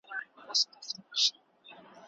خداينور